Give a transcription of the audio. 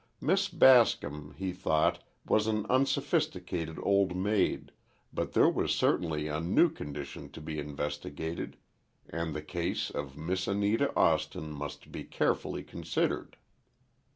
Miss Bascom, he thought was an unsophisticated old maid, but there was certainly a new condition to be investigated, and the case of Miss Anita Austin must be carefully considered.